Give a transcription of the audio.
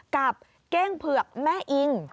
เก้งเผือกแม่อิง